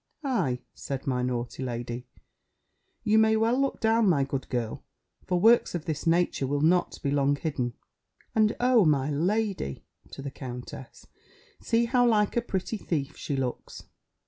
_ "Ay," said my naughty lady, "you may well look down, my good girl: for works of this nature will not be long hidden. And, oh! my lady," (to the countess) "see how like a pretty thief she looks!"